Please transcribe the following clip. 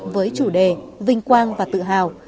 với chủ đề vinh quang và tự hào